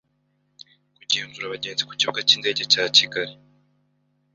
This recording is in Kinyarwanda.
kugenzura abagenzi ku kibuga cy'indege cya Kigali